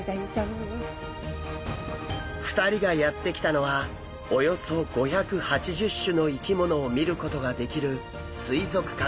２人がやって来たのはおよそ５８０種の生き物を見ることができる水族館。